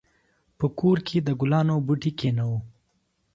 په کور کې د ګلانو بوټي کېنوو.